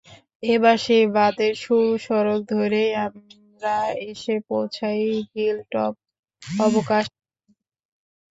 এবার সেই বাঁধের সরু সড়ক ধরেই আমরা এসে পৌঁছাই হিলটপ অবকাশকেন্দ্রে।